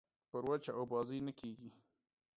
پر وچه اوبازي نه کېږي.